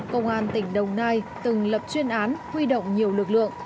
công an tỉnh đồng nai từng lập chuyên án huy động nhiều lực lượng